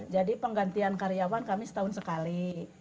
jadi penggantian karyawan kami setahun sekali